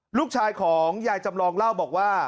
ผู้ชายของใหญ่จำลองเล่าบอกว่า